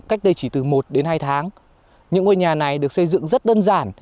cách đây chỉ từ một đến hai tháng những ngôi nhà này được xây dựng rất đơn giản